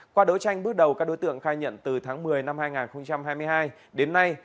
qua đấu tranh bước đầu các đối tượng khai nhận từ tháng một mươi năm hai nghìn hai mươi hai đến nay